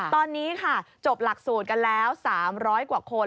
ตอนนี้ค่ะจบหลักสูตรกันแล้ว๓๐๐กว่าคน